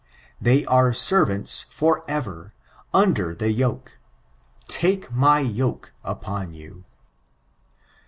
They are servants for ever^ under the yoke,"— *• take my yoke upon you."